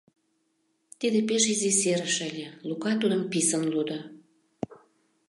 Тиде пеш изи серыш ыле, Лука тудым писын лудо: